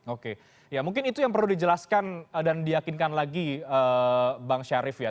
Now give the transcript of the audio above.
oke ya mungkin itu yang perlu dijelaskan dan diyakinkan lagi bang syarif ya